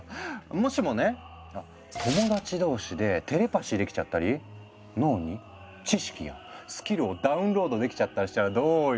もしもね友達同士でテレパシーできちゃったり脳に知識やスキルをダウンロードできちゃったりしたらどうよ？